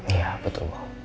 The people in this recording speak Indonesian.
iya betul bu